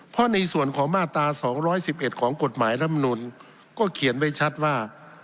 เพราะในส่วนของมาตรา๒๑๑ของกฎหมายรัฐมนุนก็เขียนไว้ชัดว่า